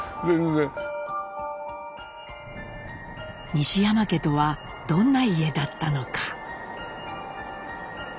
西山家とはどんな家だったのか？